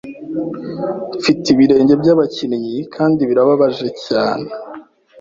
Mfite ibirenge by'abakinnyi kandi birababaje cyane.